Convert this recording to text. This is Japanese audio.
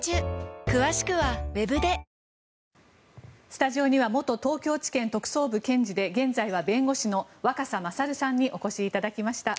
スタジオには元東京地検特捜部検事で現在は弁護士の若狭勝さんにお越しいただきました。